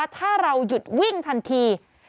ถ้าเราหยุดวิ่งทันที